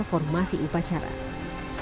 di tengah kebersamaan indonesia mini ini